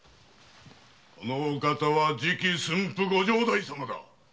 このお方は次期駿府ご城代様だ。